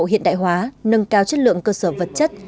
hiện đại hóa nâng cao chất lượng cơ sở vật chất